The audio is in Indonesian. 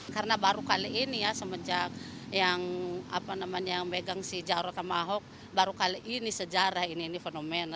karena baru kali ini ya semenjak yang apa namanya yang megang si jarod sama ahok baru kali ini sejarah ini fenomen